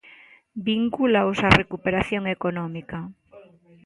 Vincúlaos á recuperación económica.